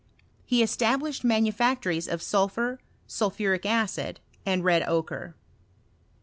He established manu factories of sulphur, sulphuric acid, and red ochre.